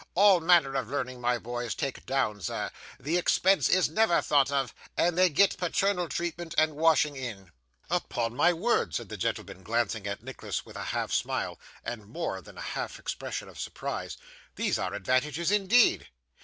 All manner of learning my boys take down, sir; the expense is never thought of; and they get paternal treatment and washing in.' 'Upon my word,' said the gentleman, glancing at Nicholas with a half smile, and a more than half expression of surprise, 'these are advantages indeed.